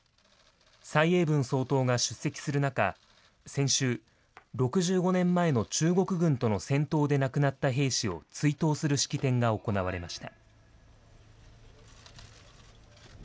蔡英文総統が出席する中、先週、６５年前の中国軍との戦闘で亡くなった兵士を追悼する式典が行われました。